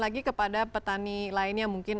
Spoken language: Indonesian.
lagi kepada petani lainnya mungkin